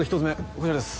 こちらです